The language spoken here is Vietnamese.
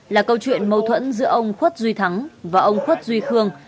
là câu chuyện mâu thuẫn giữa ông khuất duy thắng và ông khuất duy khương